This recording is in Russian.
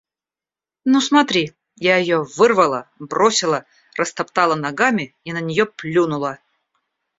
Ну, смотри: я ее вырвала, бросила, растоптала ногами и на нее плюнула.